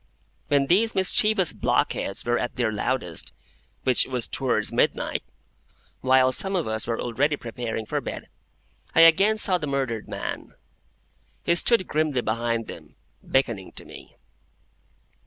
When these mischievous blockheads were at their loudest, which was towards midnight, while some of us were already preparing for bed, I again saw the murdered man. He stood grimly behind them, beckoning to me.